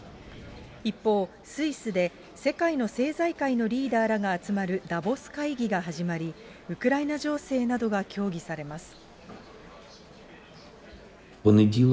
一方、スイスで世界の政財界のリーダーらが集まるダボス会議が始まり、ウクライナ情勢などが協議されます。